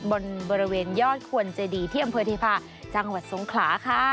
บนบริเวณยอดขวนใจดีที่อำเภอธิพาจังหวัดทรงขลาค่ะ